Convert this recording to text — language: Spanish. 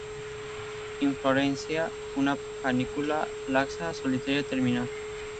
Inflorescencia una panícula laxa, solitaria, terminal.